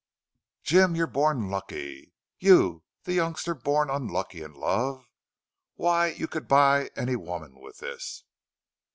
"Jim, you're born lucky. You, the youngster born unlucky in love! Why, you could buy any woman with this!"